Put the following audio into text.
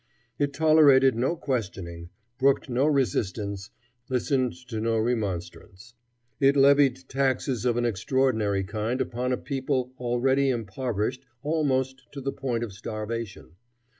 It tolerated no questioning, brooked no resistance, listened to no remonstrance. It levied taxes of an extraordinary kind upon a people already impoverished almost to the point of starvation.